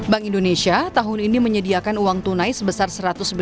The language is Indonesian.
bank indonesia tahun ini menyediakan uang tunai sebesar satu ratus dua puluh